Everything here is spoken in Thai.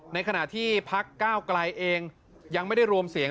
ในขณะที่พักก้าวไกลเองยังไม่ได้รวมเสียง